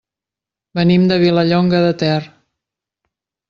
Venim de Vilallonga de Ter.